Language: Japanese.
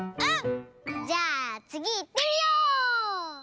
じゃあつぎいってみよう！